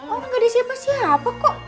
oh gak di siapa siapa kok